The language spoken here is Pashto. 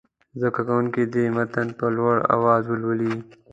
زده کوونکي دې متن په لوړ اواز ولولي.